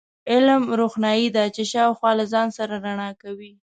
علم، روښنایي ده چې شاوخوا له ځان سره رڼا کوي.